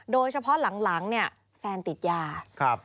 โดยเฉพาะหลังแฟนติดยา